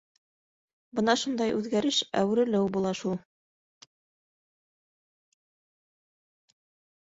Бына шундай үҙгәреш, әүерелеү була шул.